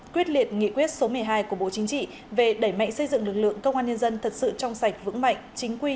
quyết liệt nghị quyết số một mươi hai của bộ chính trị về đẩy mạnh xây dựng lực lượng công an nhân dân thật sự trong sạch vững mạnh chính quy